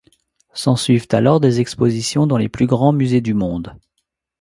S’ensuivent alors des expositions dans les plus grands musées du monde.